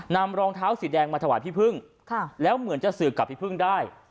รองเท้าสีแดงมาถวายพี่พึ่งแล้วเหมือนจะสื่อกับพี่พึ่งได้